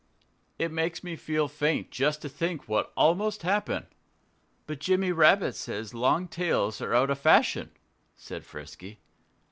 "It makes me feel faint just to think what almost happened." "But Jimmy Rabbit says long tails are out of fashion," said Frisky.